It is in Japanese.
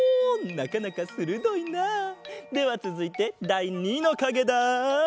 なかなかするどいな！ではつづいてだい２のかげだ。